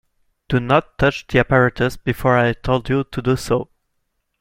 Do not touch the apparatus before I told you to do so.